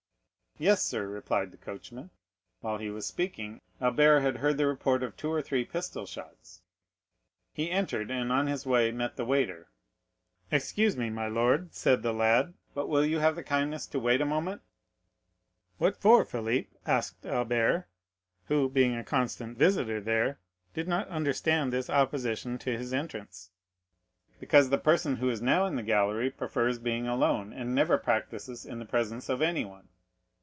"Yes, sir," replied the coachman. While he was speaking, Albert had heard the report of two or three pistol shots. He entered, and on his way met the waiter. "Excuse me, my lord," said the lad; "but will you have the kindness to wait a moment?" "What for, Philip?" asked Albert, who, being a constant visitor there, did not understand this opposition to his entrance. "Because the person who is now in the gallery prefers being alone, and never practices in the presence of anyone."